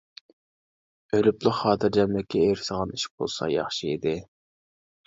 ئۆلۈپلا خاتىرجەملىككە ئېرىشىدىغان ئىش بولسا ياخشى ئىدى.